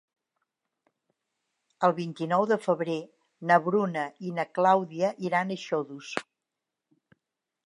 El vint-i-nou de febrer na Bruna i na Clàudia iran a Xodos.